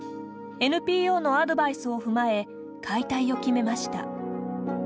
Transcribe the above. ＮＰＯのアドバイスを踏まえ解体を決めました。